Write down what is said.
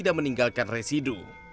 dan tidak meninggalkan residu